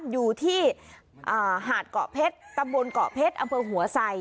อยู่ที่หาดเกาะเพชรตำบลเกาะเพชรอำเภอหัวไซ